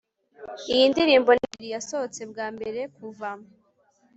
Iyi ndirimbo ni Billie yasohotse bwa mbere kuva